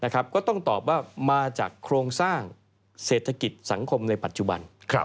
ก็ต้องตอบว่ามาจากโครงสร้างเศรษฐกิจสังคมในปัจจุบัน